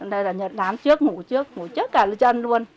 đây là đán trước ngủ trước ngủ trước cả đứa dân luôn